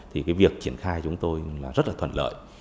thì việc triển khai chúng tôi rất là thuận lợi